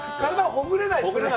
ほぐれないです。